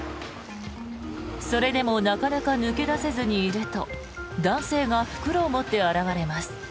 それでもなかなか抜け出せずにいると男性が袋を持って現れます。